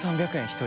１人。